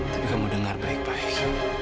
tapi kamu dengar baik baik